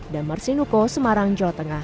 damar sinuko semarang jawa tengah